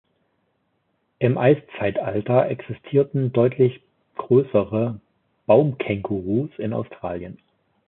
Im Eiszeitalter existierten deutlich größere Baumkängurus in Australien.